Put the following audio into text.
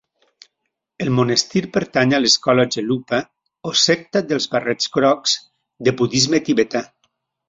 El monestir pertany a l'escola gelupa, o secta dels barrets grocs, de budisme tibetà.